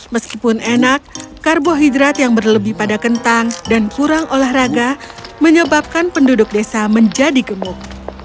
meskipun enak karbohidrat yang berlebih pada kentang dan kurang olahraga menyebabkan penduduk desa menjadi gemuk